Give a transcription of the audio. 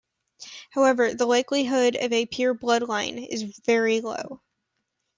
However, the likelihood of a pure bloodline is very low.